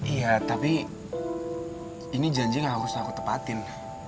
iya tapi ini janji yang harus aku tepatin